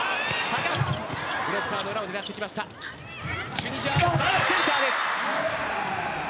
チュニジア、センターです。